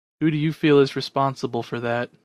Who do you feel is responsible for that?